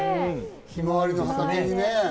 ひまわりの畑にね。